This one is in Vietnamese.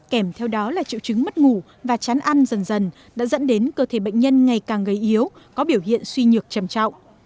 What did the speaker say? kèm theo đó là triệu chứng mất ngủ và chán ăn dần dần đã dẫn đến cơ thể bệnh nhân ngày càng gây yếu có biểu hiện suy nhược trầm trọng